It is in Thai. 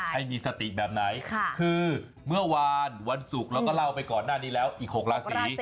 ให้มีสติแบบไหนคือเมื่อวานวันศุกร์เราก็เล่าไปก่อนหน้านี้แล้วอีก๖ราศี